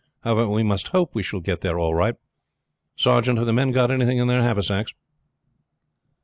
However, we must hope we shall get there all right. Sergeant, have the men got anything in their haversacks?"